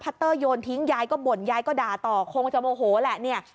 เตอร์โยนทิ้งยายก็บ่นยายก็ด่าต่อคงจะโมโหแหละเนี่ย